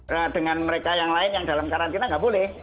nah dengan mereka yang lain yang dalam karantina nggak boleh